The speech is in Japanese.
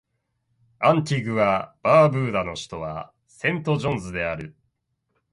アンティグア・バーブーダの首都はセントジョンズである